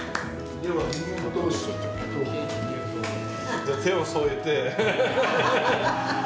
じゃあ手を添えて。